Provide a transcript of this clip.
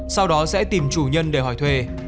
sau đó sẽ tìm chủ nhân để hỏi thuê